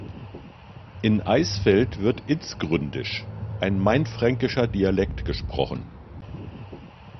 In Eisfeld wird Itzgründisch, ein mainfränkischer Dialekt, gesprochen.